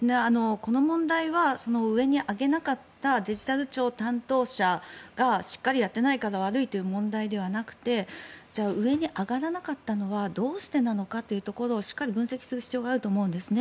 この問題は上に上げなかったデジタル庁担当者がしっかりやってないから悪いという問題ではなくてじゃあ、上に上がらなかったのはどうしてなのかというところをしっかり分析する必要があると思うんです。